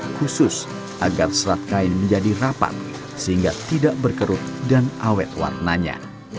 khusus agar serat kain menjadi rapat sehingga tidak berkerut dan awet warnanya